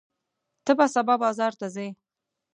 ته به سبا بازار ته ځې؟